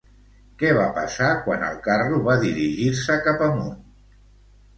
Què va passar quan el carro va dirigir-se cap amunt?